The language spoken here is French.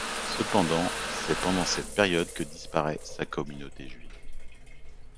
Cependant c'est pendant cette période que disparaît sa communauté juive.